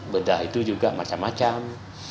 bedah itu juga macam macam